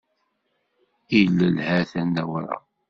Ilel ha-t-an d awraɣ.